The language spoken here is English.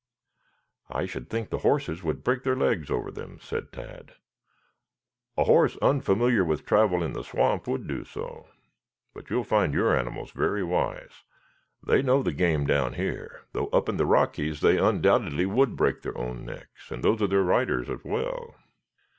"I should think the horses would break their legs over them," said Tad. "A horse unfamiliar with travel in the swamp would do so. But you will find your animals very wise. They know the game down here, though up in the Rockies they undoubtedly would break their own necks and those of their riders as well."